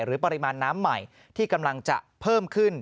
ปริมาณน้ำใหม่ที่กำลังจะเพิ่มขึ้น